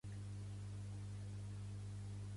Els melons de Xilxes són exquisits!